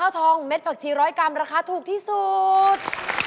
กระทองเม็ดพักชีร้อยกรัมราคาถูกที่สุด